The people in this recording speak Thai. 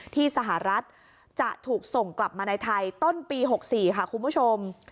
ที่สหรัฐจะถูกส่งกลับมาในไทยต้นปี๖๔ค่ะคุณผู้ชม